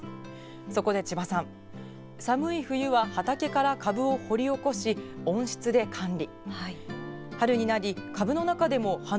そこで千葉さん寒い冬は畑から株を掘り起こし温室で管理。